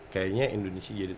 kayaknya indonesia jadi